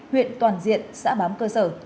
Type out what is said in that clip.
huyện toàn diện xã bám cơ sở